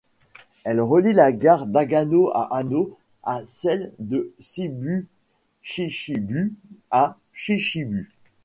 Elle relie la gare d'Agano à Hannō à celle de Seibu-Chichibu à Chichibu.